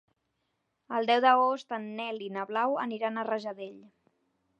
El deu d'agost en Nel i na Blau aniran a Rajadell.